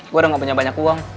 gue udah gak punya banyak uang